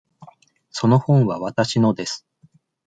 その本はわたしのです。